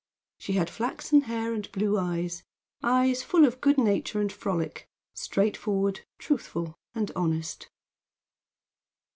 She had flaxen hair and blue eyes eyes full of good nature and frolic; straightforward, truthful and honest.